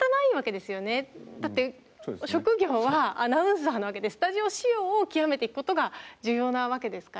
だって職業はアナウンサーなわけでスタジオ仕様を極めていくことが重要なわけですから。